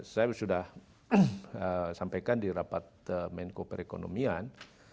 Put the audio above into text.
saya sudah sampaikan di rapat menko perekonomian